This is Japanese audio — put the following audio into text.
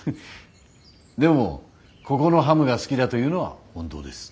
でもここのハムが好きだというのは本当です。